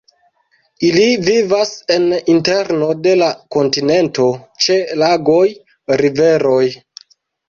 Ili vivas en interno de la kontinento ĉe lagoj, riveroj.